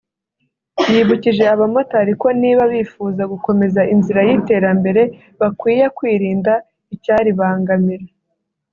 yibukije abamotari ko niba bifuza gukomeza inzira y’iterambere bakwiye kwirinda icyaribangamira